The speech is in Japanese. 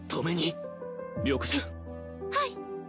はい。